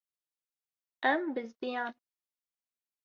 Em bizdiyan.